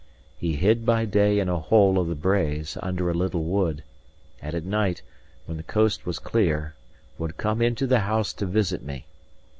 He hid by day in a hole of the braes under a little wood; and at night, when the coast was clear, would come into the house to visit me.